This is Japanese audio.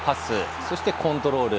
そしてコントロール。